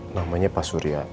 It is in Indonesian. namanya pak surya